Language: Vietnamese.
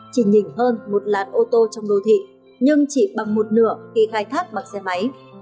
chỉ nhìn hơn một làn ô tô trong đô thị nhưng chỉ bằng một nửa khi khai thác bằng xe máy